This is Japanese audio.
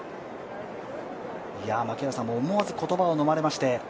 槙原さんも思わず言葉をのまれまして。